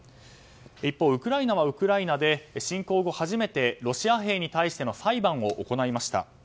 一方、ウクライナはウクライナで侵攻後初めてロシア兵に対しての裁判を行いました。